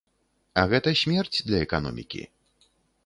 А гэта смерць для эканомікі.